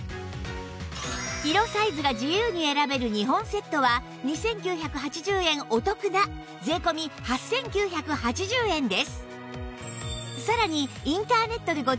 色・サイズが自由に選べる２本セットは２９８０円お得な税込８９８０円です